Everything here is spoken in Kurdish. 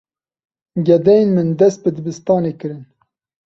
Gedeyên min dest bi dibistanê kirin.